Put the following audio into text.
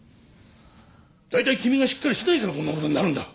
大体君がしっかりしないからこんなことになるんだ。